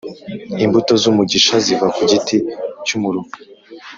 Imbuto zumugisha ziva kugiti cyumuruho